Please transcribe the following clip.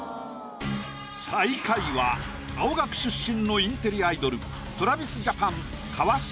最下位は青学出身のインテリアイドルＴｒａｖｉｓＪａｐａｎ川島